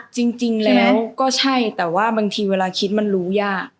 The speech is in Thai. จริงแล้วก็ใช่แต่ว่าบางทีเวลาคิดมันรู้ยาก